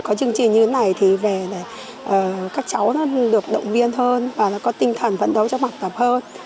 có chương trình như thế này thì về các cháu được động viên hơn và có tinh thần vận đấu cho mặc tập hơn